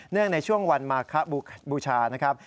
งในช่วงวันมาคบูชานะครับ